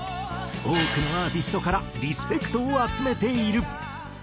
多くのアーティストからリスペクトを集めている。